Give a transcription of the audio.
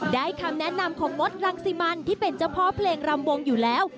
คำแนะนำของมดรังสิมันที่เป็นเจ้าพ่อเพลงรำวงอยู่แล้ว